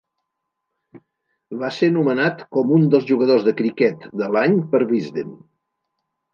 Va ser nomenat com un dels jugadors de cricket de l'any per "Wisden".